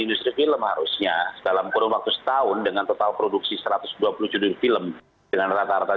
industri film harusnya dalam kurun waktu setahun dengan total produksi satu ratus dua puluh judul film dengan rata rata